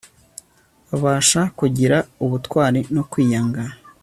babasha kugira ubutwari no kwiyanga